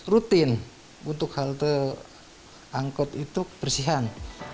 rutin untuk halte angkut itu persihan